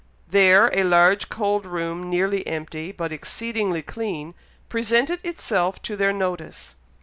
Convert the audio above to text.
There, a large cold room, nearly empty, but exceedingly clean, presented itself to their notice.